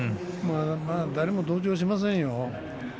誰も同情はしませんよ。